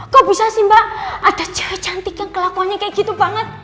kok bisa sih mbak ada jahat cantik yang kelakuannya kayak gitu banget